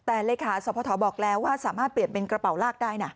แต่เลขาสพบอกแล้วว่าสามารถเปลี่ยนเป็นกระเป๋าลากได้นะ